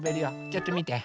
ちょっとみて。